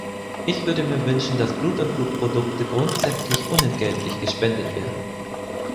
Ich würde mir wünschen, dass Blut und Blutprodukte grundsätzlich unentgeltlich gespendet werden.